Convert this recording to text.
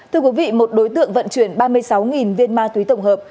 thưa quý vị một đối tượng vận chuyển ba mươi sáu viên ma túy tổng hợp